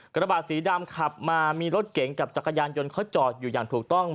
กระบาดสีดำขับมามีรถเก๋งกับจักรยานยนต์เขาจอดอยู่อย่างถูกต้อง